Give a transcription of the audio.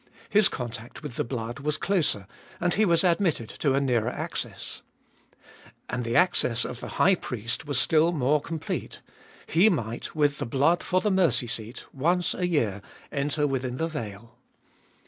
His contact with the blood was closer, and he was admitted to a nearer access. And the access of the high priest was still more complete; he might, with the blood for the mercy seat, once a year enter within the veil.